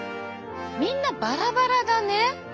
みんなバラバラだね。